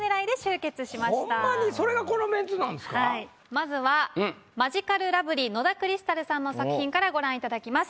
まずはマヂカルラブリー野田クリスタルさんの作品からご覧いただきます。